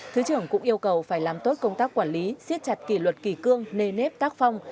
thứ trưởng cũng yêu cầu phải làm tốt công tác quản lý siết chặt kỷ luật kỳ cương nề nếp tác phong